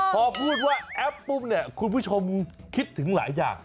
พอพูดว่าแอปปุ๊บเนี่ยคุณผู้ชมคิดถึงหลายอย่าง